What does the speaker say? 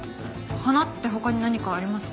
花って他に何かあります？